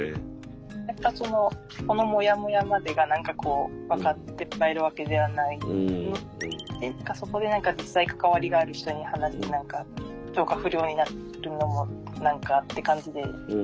やっぱそのこのもやもやまでが何かこうわかってもらえるわけではないのでそこで何か実際関わりがある人に話して何か消化不良になるのも何かって感じで。